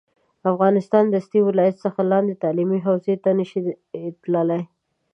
افغانستان دستي د ولایت څخه لاندې تعلیمي حوزې ته نه شي تللی